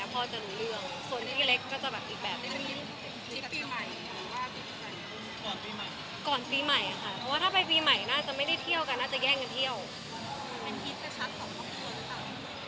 เพราะว่าถ้าไปปีใหม่น่าจะไม่ได้เที่ยวกันน่าจะแย่งเคื่อที่เที่ยว